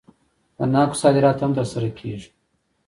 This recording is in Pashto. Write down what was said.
د ناکو صادرات هم ترسره کیږي.